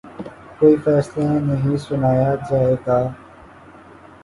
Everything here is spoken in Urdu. کوئی فیصلہ نہیں سنایا جائے گا